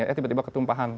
eh tiba tiba ketumpahan